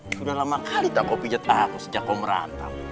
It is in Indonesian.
sudah lama kali tak kopi pijat aku sejak kau merantau